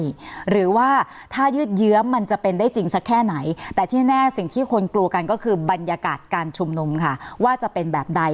หรือว่าถ้ายืดเยื้อมันจะเป็นได้จริงสักแค่ไหนแต่ที่แน่สิ่งที่คนกลัวกันก็คือบรรยากาศการชุมนุมค่ะว่าจะเป็นแบบใด